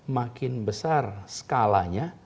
makin besar skalanya